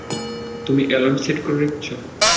তুমি alarm set করে রেখেছ?